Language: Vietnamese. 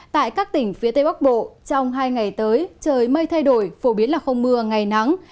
tại các tỉnh phía tây bắc bộ trong hai ngày tới trời mây thay đổi phổ biến là không mưa ngày nắng